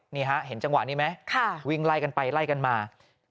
นี่ฮะเห็นจังหวะนี้ไหมวิ่งไล่กันไปไล่กันมา